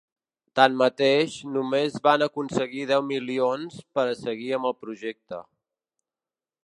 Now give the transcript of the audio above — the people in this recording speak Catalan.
Tanmateix, només van aconseguir deu milions per a seguir amb el projecte.